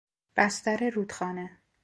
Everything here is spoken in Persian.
بستر رودخانه